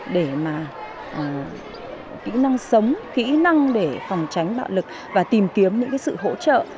để mà kỹ năng sống kỹ năng để phòng tránh bạo lực và tìm kiếm những sự hỗ trợ